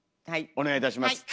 お願いいたします。